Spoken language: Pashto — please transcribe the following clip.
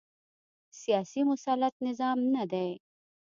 سیاسي مسلط نظام نه دی